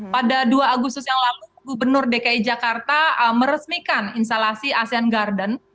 pada dua agustus yang lalu gubernur dki jakarta meresmikan instalasi asean garden